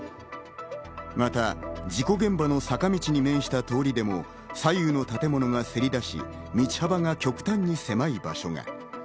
また事故現場の坂道に面した通りでも左右の建物がせり出し、道幅が極端に狭い場所が。